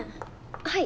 はい？